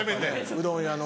うどん屋の。